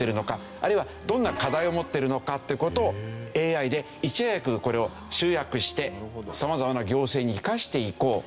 あるいはどんな課題を持っているのかっていう事をＡＩでいち早くこれを集約して様々な行政に生かしていこうという。